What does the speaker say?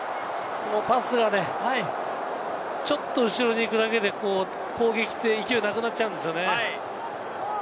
パスがね、ちょっと後ろに行くだけで攻撃って勢いがなくなっちゃうんですよね。